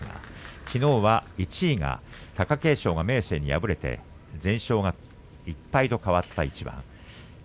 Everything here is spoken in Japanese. きのうは１位が貴景勝が明生に敗れて１敗になった一番です。